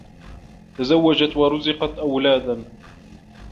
تزوّجت و رُزِقت أولادا.